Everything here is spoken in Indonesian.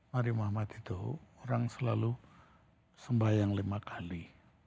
nari muhammad itu orang selalu sembahyang lima kali